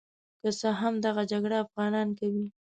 که څه هم دغه جګړه افغانان کوي.